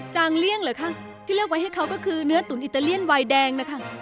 จางเลี่ยงเหรอคะที่เลือกไว้ให้เขาก็คือเนื้อตุ๋นอิตาเลียนวายแดงนะคะ